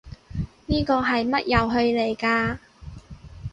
呢個係乜遊戲嚟㗎？